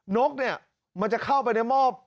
นกเนี่ยมันจะเข้าไปในหม้อ